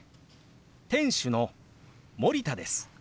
店主の森田です。